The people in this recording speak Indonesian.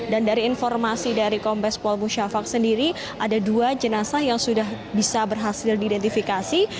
dan dari informasi dari kompes pol musyafak sendiri ada dua jenazah yang sudah bisa berhasil diidentifikasi